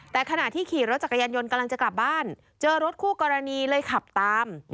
แต่ขณะที่ขี่รถจักรยานยนต์กำลังจะกลับบ้านเจอรถคู่กรณีเลยขับตาม